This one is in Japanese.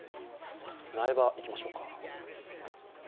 苗場いきましょうか。